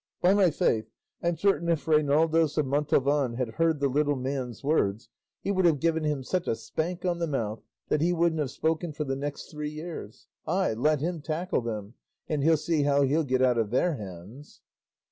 By my faith, I'm certain if Reinaldos of Montalvan had heard the little man's words he would have given him such a spank on the mouth that he wouldn't have spoken for the next three years; ay, let him tackle them, and he'll see how he'll get out of their hands!"